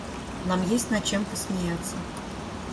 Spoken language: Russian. Нам есть над чем посмеяться!